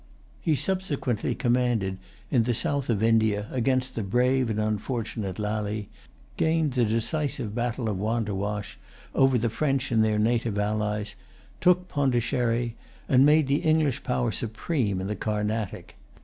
He subsequently commanded in the south of India against the brave and unfortunate Lally, gained the decisive battle of Wandewash over the French and their native allies, took Pondicherry, and made the English power supreme in the Carnatic.